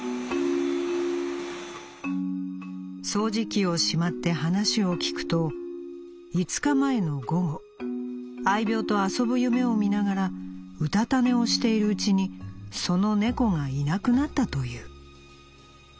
「掃除機をしまって話を聞くと五日前の午後愛猫と遊ぶ夢を見ながらうたた寝をしているうちにその猫がいなくなったという。